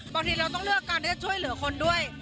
ตอนนี้เราต้องเลือกการช่วยเหลือคนด้วย